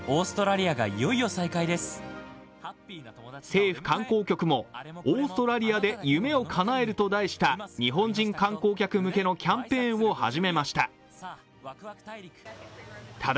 政府観光局も、オーストラリアで夢をかなえると題した日本人観光客向けのキャンペーンを始めました。